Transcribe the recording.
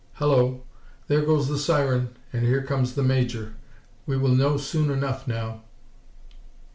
Hullo! There goes the siren and here comes the Major. We will know soon enough now."